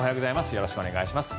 よろしくお願いします。